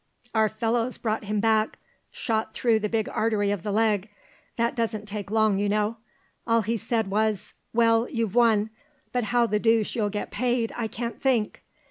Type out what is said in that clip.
Our fellows brought him back, shot through the big artery of the leg; that doesn't take long, you know. All he said was: 'Well, you've won, but how the deuce you'll get paid, I can't think.